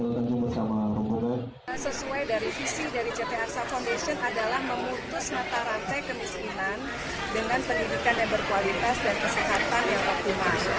sesuai dari visi dari ct arsa foundation adalah memutus mata rantai kemiskinan dengan pendidikan yang berkualitas dan kesehatan yang optimal